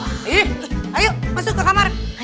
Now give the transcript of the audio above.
ayo masuk ke kamar